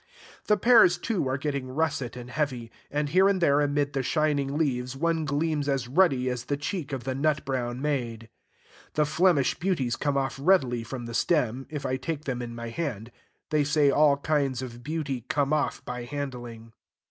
The pears, too, are getting russet and heavy; and here and there amid the shining leaves one gleams as ruddy as the cheek of the Nutbrown Maid. The Flemish Beauties come off readily from the stem, if I take them in my hand: they say all kinds of beauty come off by handling.